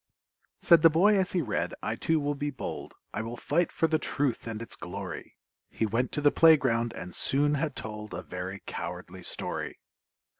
Said the boy as he read, "I too will be bold, I will fight for the truth and its glory!" He went to the playground, and soon had told A very cowardly story!